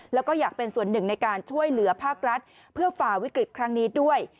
แล้วก็อยากเป็นส่วนหนึ่งในการช่วยเหลือภาครัฐเพื่อฝ่าวิกฤตครั้งนี้ด้วย